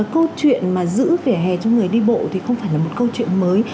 câu chuyện mà giữ vỉa hè cho người đi bộ thì không phải là một câu chuyện mới